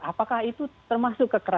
apakah itu termasuk kekerasan